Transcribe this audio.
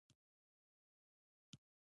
مکالمې د شخصیتونو وده ښيي.